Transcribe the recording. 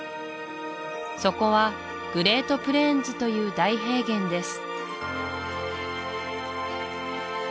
そこはグレートプレーンズという大平原です